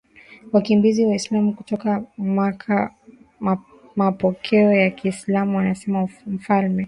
wakimbizi Waislamu kutoka Maka Mapokeo ya Kiislamu yanasema mfalme